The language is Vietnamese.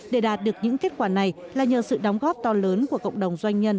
để đạt được những kết quả này là nhờ sự đóng góp to lớn của cộng đồng doanh nhân